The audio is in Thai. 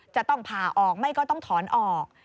จะต้องผ่าออกไม่ก็ต้องถอนออก